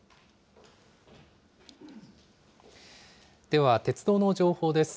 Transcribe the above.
では、鉄道の情報です。